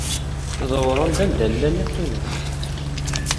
Dewren-d anda i llan qqimen.